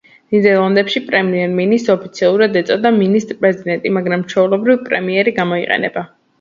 ნიდერლანდებში პრემიერ-მინისტრს ოფიციალურად ეწოდება მინისტრ-პრეზიდენტი, მაგრამ ჩვეულებრივ პრემიერი გამოიყენება.